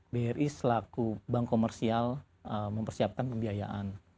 bri selaku bank komersial mempersiapkan pembiayaan